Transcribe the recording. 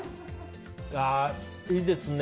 いいですね。